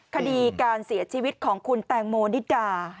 คดีการเสียชีวิตของคุณแตงโมนิดา